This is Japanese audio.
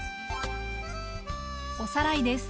おさらいです。